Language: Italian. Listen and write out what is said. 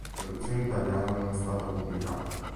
La traduzione italiana non è stata pubblicata.